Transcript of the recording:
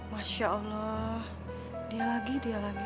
masya allah dia lagi dia lagi